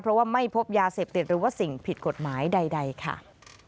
เพราะว่าไม่พบยาเสพติดหรือว่าสิ่งผิดกฎหมายใดค่ะ